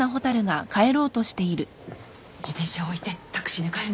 自転車置いてタクシーで帰んのよ。